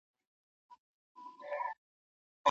زموږ تاريخ يوازې د تېرو پېښو بيان نه دی.